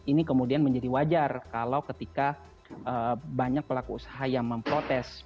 ini kemudian menjadi wajar kalau ketika banyak pelaku usaha yang memprotes